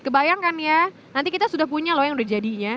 kebayangkan ya nanti kita sudah punya loh yang udah jadinya